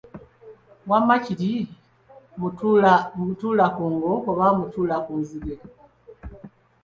Wamma kiri Mutuulakungo oba Mutuulakunzige.